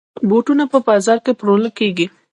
بوټونه په بازاز کې پلورل کېږي.